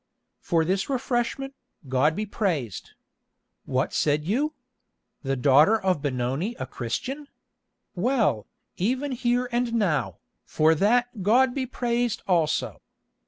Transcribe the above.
"For this refreshment, God be praised. What said you? The daughter of Benoni a Christian! Well, even here and now, for that God be praised also.